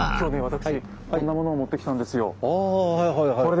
私こんなものを持ってきたんですよ。